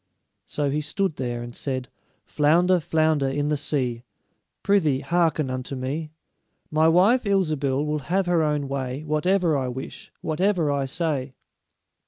So he stood there, and said: "Flounder, flounder in the sea, Prythee, hearken unto me: My wife, Ilsebil, will have her own way Whatever I wish, whatever I say."